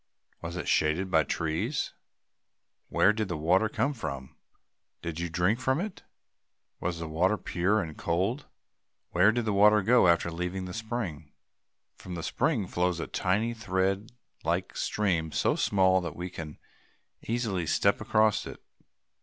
Was it shaded by trees? Where did the water come from? Did you drink from it? Was the water pure and cold? Where did the water go after leaving the spring? [Illustration: "DID YOU EVER SEE A SPRING?"] From the spring flows a tiny, thread like stream, so small that we can easily step across it.